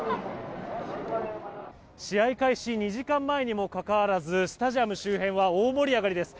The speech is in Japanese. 試合開始２時間前にもかかわらずスタジアム周辺は大盛り上がりです。